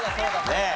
ねえ。